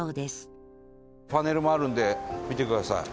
伊達：パネルもあるんで見てください。